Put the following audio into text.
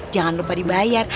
jangan lupa dibayar